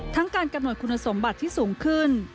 การกำหนดคุณสมบัติที่สูงขึ้น